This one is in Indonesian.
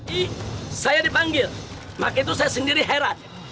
ih saya dipanggil maka itu saya sendiri heran